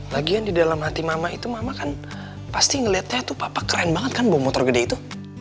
lagian di dalam hati mama itu mama kan pasti ngeliatnya tuh papa keren banget kan bom motor gede itu